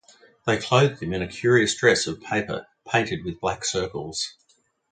They clothed him in a curious dress of paper painted with black circles.